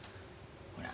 ほら。